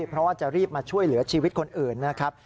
เพราะว่าจะรีบมาช่วยเหลือชีวิตคนอื่นนะครับ